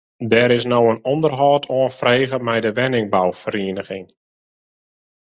Der is no in ûnderhâld oanfrege mei de wenningbouferieniging.